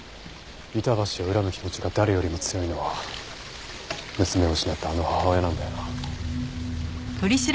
板橋を恨む気持ちが誰よりも強いのは娘を失ったあの母親なんだよな。